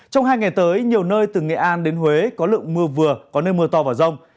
trong hai ngày tới nhiều nơi từ nghệ an đến huế có lượng mưa vừa có nơi mưa to và rông